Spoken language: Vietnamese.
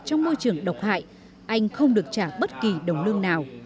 trong môi trường độc hại anh không được trả bất kỳ đồng lương nào